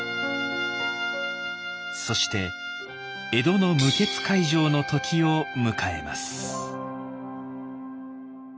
そして江戸の無血開城の時を迎えます。